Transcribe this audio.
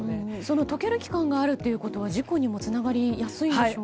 解ける期間があるということは事故にもつながりやすいんでしょうか。